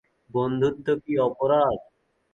বন্ধুত্ব কি অপরাধ?